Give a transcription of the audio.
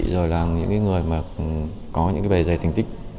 rồi là những người mà có những bề giày thành tích